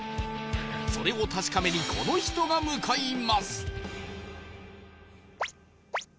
それを確かめにこの人が向かいます